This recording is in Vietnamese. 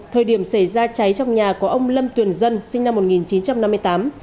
thời điểm xảy ra cháy trong nhà có ông lâm tuyền dân sinh năm một nghìn chín trăm năm mươi tám